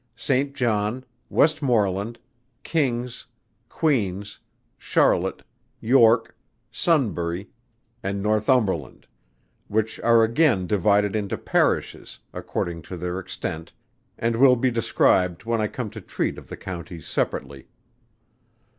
St. John, Westmorland, King's, Queen's, Charlotte, York, Sunbury, and Northumberland, which are again divided into Parishes, according to their extent, and will be described when I come to treat of the Counties separately.